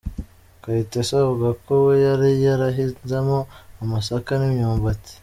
Kayitesi avuga ko we yari yarahinzemo amasaka n’imyumbati.